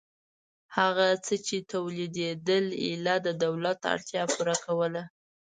هغه څه چې تولیدېدل ایله د دولت اړتیا پوره کوله